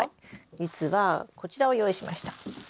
実はこちらを用意しました。